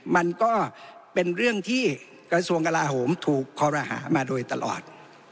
มันก็เป็นเรื่องที่กระทรวงกลาโหมถูกคอรหามาโดยตลอด